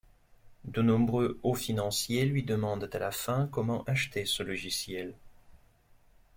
De nombreux hauts-financiers lui demandent à la fin comment acheter ce logiciel...